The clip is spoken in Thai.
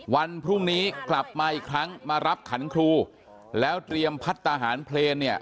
วันพรุ่งนี้กลับมาอีกครั้งมารับขันครูแล้วเตรียมพัฒนาหารเพลนเนี่ย